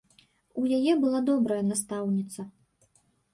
У яе была добрая настаўніца.